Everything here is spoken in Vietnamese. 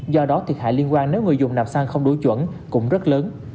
do đó thiệt hại liên quan nếu người dùng làm xăng không đủ chuẩn cũng rất lớn